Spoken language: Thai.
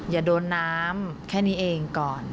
อย่าโดนน้ำแค่นี้เองก่อน